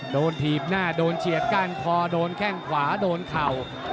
ถีบหน้าโดนเฉียดก้านคอโดนแข้งขวาโดนเข่า